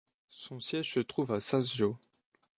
Son siège se trouve à Sävsjö.